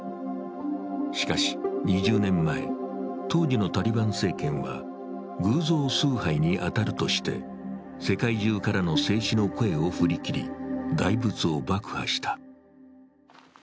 しかし、２０年前、当時のタリバン政権は偶像崇拝に当たるとして世界中からの制止の声を振り切り、大仏を爆破した。